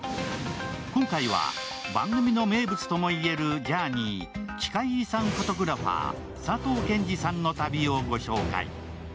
今回は番組の名物ともいえるジャーニー、奇界遺産フォトグラファー佐藤健寿さんの旅をご紹介。